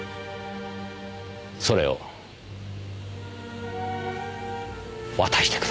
それを渡してください。